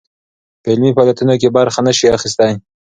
په علمي فعاليتونو کې برخه نه شي اخىستى